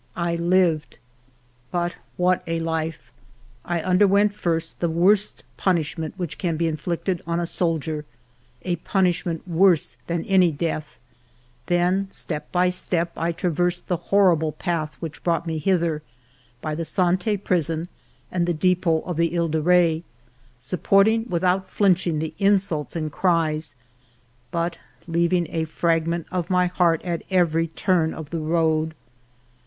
I lived ! But what a life ! I underwent first the worst punishment which can be inflicted on a soldier. ALFRED DREYFUS 105 — a punishment worse than any death, — then, step by step, I traversed the horrible path which brought me hither, by the Sante Prison and the depot of the He de Re, support ing without flinching the insults and cries, but leaving a fragment of my heart at every turn of the road.